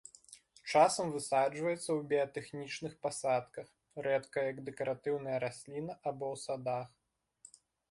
Часам высаджваецца ў біятэхнічных пасадках, рэдка як дэкаратыўная расліна або ў садах.